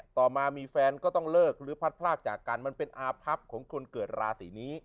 ต่อมามีแฟนก็ต้องเลิกหรือพัดพลากจากกันมันเป็นอาพับของคนเกิดราศีนี้